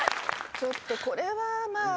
ちょっとこれはまあ。